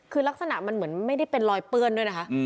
คือลักษณะมันเหมือนไม่ได้เป็นรอยเปื้อนด้วยนะคะ